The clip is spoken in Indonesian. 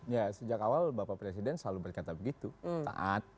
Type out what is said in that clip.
ya sejak awal bapak presiden selalu berkata begitu taat